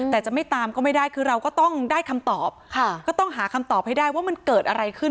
แต่จะไม่ตามก็ไม่ได้คือเราก็ต้องได้คำตอบก็ต้องหาคำตอบให้ได้ว่ามันเกิดอะไรขึ้น